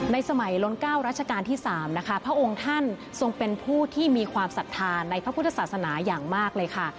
สมัยล้นเก้ารัชกาลที่๓นะคะพระองค์ท่านทรงเป็นผู้ที่มีความศรัทธาในพระพุทธศาสนาอย่างมากเลยค่ะ